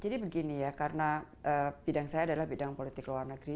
jadi begini ya karena bidang saya adalah bidang politik luar negeri